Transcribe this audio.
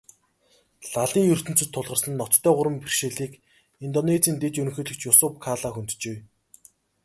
Лалын ертөнцөд тулгарсан ноцтой гурван бэрхшээлийг Индонезийн дэд ерөнхийлөгч Юсуф Калла хөнджээ.